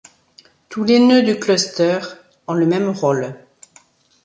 Tous les nœuds du cluster ont le même rôle.